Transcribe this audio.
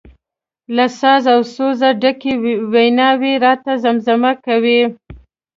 له ساز او سوزه ډکې ویناوي راته زمزمه کوي.